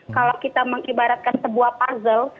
kalau kita mengibaratkan sebuah puzzle